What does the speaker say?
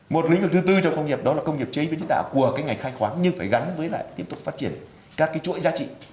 một lĩnh vực thứ tư trong công nghiệp đó là công nghiệp chế biến chế tạo của các ngành khai khoáng nhưng phải gắn với lại tiếp tục phát triển các chuỗi giá trị